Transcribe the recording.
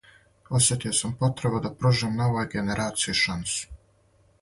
Осетио сам потребу да пружим новој генерацији шансу.